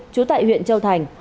trú tại huyện châu thành